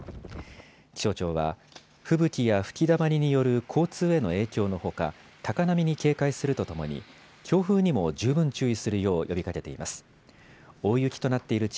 気象庁は吹雪や吹きだまりによる交通への影響のほか高波に警戒するとともに強風にも十分注意するよう呼びかけています。